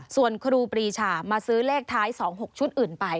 ส่วนครูปรีชามาซื้อเลขท้าย๒๖ชุดอื่นไป